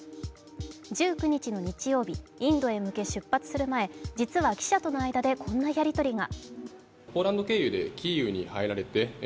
１９日の日曜日、インドへ向け出発する前、実は記者との間でこんなやり取りが。